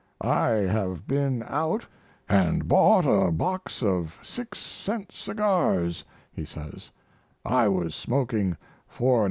"I have been out and bought a box of 6c. cigars," he says; "I was smoking 4 1/2c.